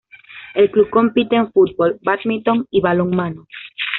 El club compite en fútbol, badminton y balonmano.